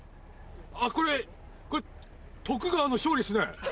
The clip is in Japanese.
あぁこれこれ徳川の勝利っすね。